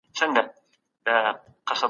آيا ښځې بايد تعليم وکړي؟